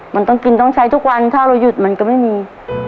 มันต้องกินต้องใช้ทุกวันถ้าเราหยุดมันก็ไม่มี